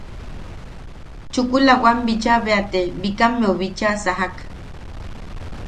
Chukula wam bicha bea te Bikammeu bicha sajak.